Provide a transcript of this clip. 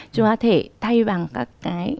chúng ta có thể thay bằng các cái